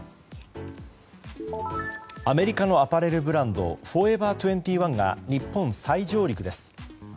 アメリカのアパレルブランドフォーエバー２１が日本再上陸です。